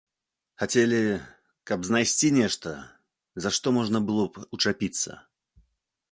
Хацелі, каб знайсці нешта, за што можна было б учапіцца.